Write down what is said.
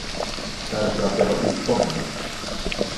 Därför att jag var utom mig.